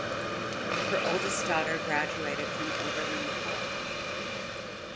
Her oldest daughter graduated from Oberlin College.